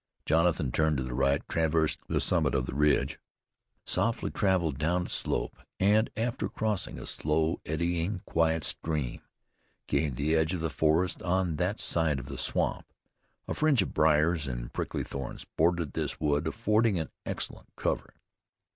Jonathan turned to the right, traversed the summit of the ridge, softly traveled down its slope, and, after crossing a slow, eddying, quiet stream, gained the edge of the forest on that side of the swamp. A fringe of briars and prickly thorns bordered this wood affording an excellent cover.